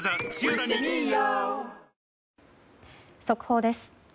速報です。